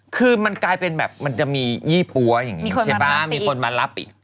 คือมันกลายเป็นแบบมันจะมียี่ปั๊วมีคนมารับอีก